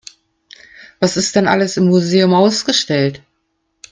Was ist denn alles im Museum ausgestellt?